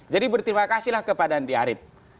jadi berterima kasih kepada andi arief